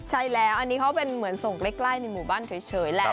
ใช่แล้วอันนี้เขาเป็นเหมือนส่งใกล้ในหมู่บ้านเฉยแหละ